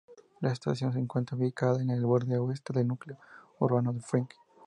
La estación se encuentra ubicada en el borde oeste del núcleo urbano de Frick.